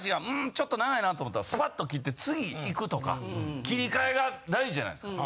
ちょっと長いなと思ったらスパッと切って次いくとか切り替えが大事じゃないですか。